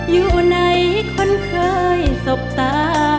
อยู่ในคนเคยศพตา